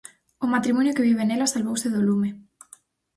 O matrimonio que vive nela salvouse do lume.